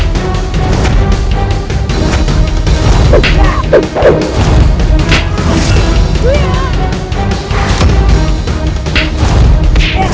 menyerah tentang talking forest